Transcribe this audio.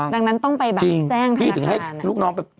ดังนั้นต้องไปแบบแจ้งธนาคาร